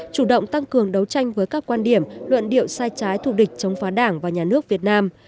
chủ động tăng cường đấu tranh với các quan điểm luận điệu sai trái thù địch chống phá đảng và nhà nước việt nam